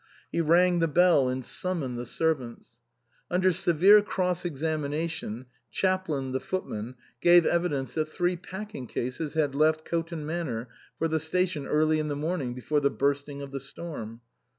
He rang the bell and summoned the servants. Under severe cross examination, Chaplin, the footman, gave evidence that three packing cases had left Coton Manor for the station early in the morning before the bursting of the storm.